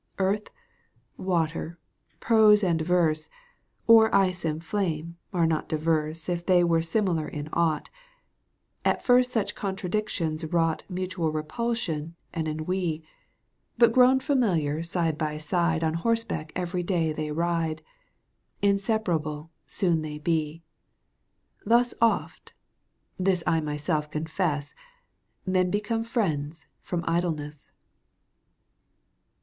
Earth, water, prose and verse, Or ice and flame, are not diverse If they were similar in aught. At first such contradictions wrought . Mutual repulsion and ennui, Digitized by CjOOQ 1С CANTO II. EUGENE ONEGXnNR 45 But grown familiar side by side On horseback every day they ride — Inseparable soon they be. Thus oft — this I myself confess — Men become friends from idleness.